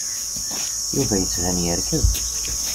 Yuba yettban yerked.